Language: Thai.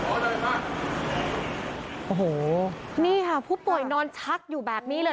โอ้โหนี่ค่ะผู้ป่วยนอนชักอยู่แบบนี้เลย